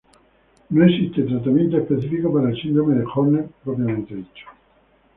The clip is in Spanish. No existe tratamiento específico para el síndrome de Horner propiamente dicho.